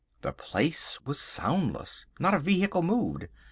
The place was soundless. Not a vehicle moved.